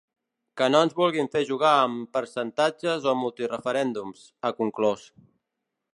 Que no ens vulguin fer jugar amb percentatges o multireferèndums, ha conclòs.